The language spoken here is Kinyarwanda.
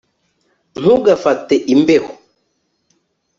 ntugafate imbeho